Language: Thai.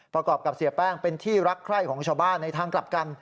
ประกอบกับเสียแป้งเป็นที่รักใคร่ของชาวบ้านในทางกลับกัน